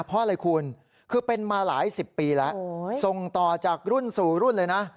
เพราะอะไรคุณคือเป็นมาหลายสิบปีแล้วส่งต่อจากรุ่นสู่รุ่นเลยนะ